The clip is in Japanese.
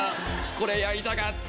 これやりたかった！